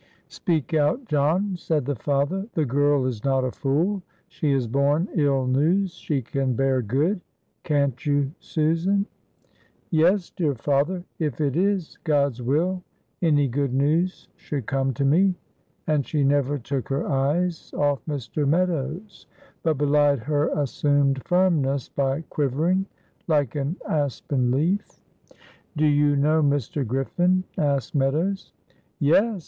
"Speak out, John," said the father, "the girl is not a fool. She has borne ill news, she can bear good. Can't you, Susan?" "Yes, dear father, if it is God's will any good news should come to me." And she never took her eyes off Mr. Meadows, but belied her assumed firmness by quivering like an aspen leaf. "Do you know Mr. Griffin?" asked Meadows. "Yes!"